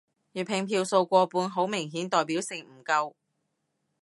粵拼票數過半好明顯代表性唔夠